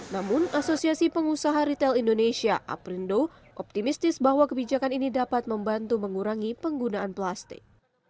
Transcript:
namun asosiasi pengusaha retail indonesia aprindo optimistis bahwa kebijakan ini dapat membantu mengurangi penggunaan plastik